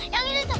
yang ini tuh